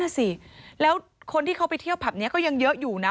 สิแล้วคนที่เขาไปเที่ยวผับนี้ก็ยังเยอะอยู่นะ